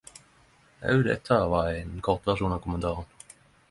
Også dette var ein kortversjon av kommentarane.